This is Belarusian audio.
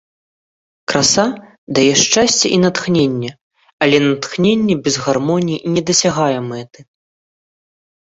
Краса дае шчасце і натхненне, але натхненне без гармоніі не дасягае мэты.